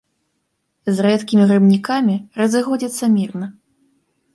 З рэдкімі грыбнікамі разыходзяцца мірна.